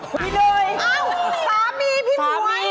พี่หนุ่ยอ้าวสามีพี่หนุ่ย